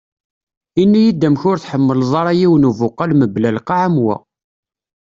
Ini-yi-d amek ur tḥemleḍ ara yiwen ubuqal mebla lqaɛ am wa.